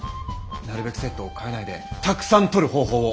なるべくセットをかえないでたくさん撮る方法を。